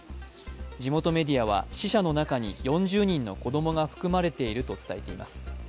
地元メディアは死者の中に４０人の子供が含まれていると伝えています。